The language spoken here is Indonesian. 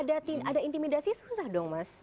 tapi kalau ada intimidasi susah dong mas